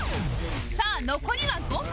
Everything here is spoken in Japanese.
さあ残りは５分